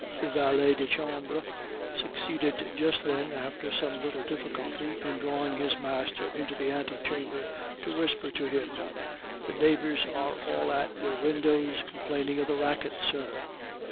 The valet de chambre succeeded just then, after some little difficulty, in drawing his master into the ante chamber to whisper to him: "The neighbors are all at their windows, complaining of the racket, sir."